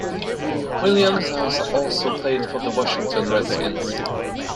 Williams has also played for the Washington Redskins.